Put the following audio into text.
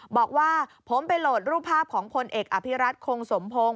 บอกว่าผมไปโหลดรูปภาพของพลเอกอภิรัตคงสมพงศ